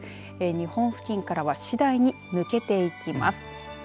日本付近からは次第に抜けていきます。